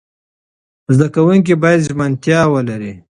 زده کوونکي باید ژمنتیا ولري.